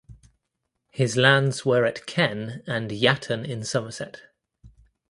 His lands were at Kenn and Yatton in Somerset.